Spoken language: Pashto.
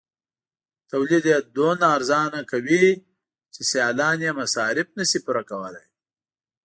تولید یې دومره ارزانه کوي چې سیالان یې مصارف نشي پوره کولای.